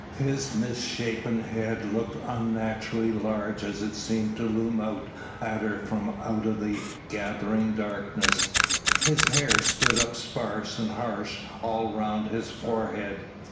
His misshapen head looked unnaturally large as it seemed to loom out at her from out the gathering darkness, his hair stood up sparse and harsh all round his forehead.